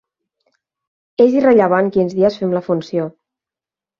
És irrellevant quins dies fem la funció.